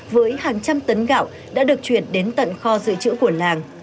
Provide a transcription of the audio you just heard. với hàng trăm tấn gạo đã được chuyển đến tận kho dự trữ của làng